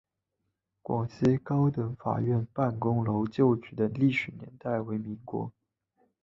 广西高等法院办公楼旧址的历史年代为民国。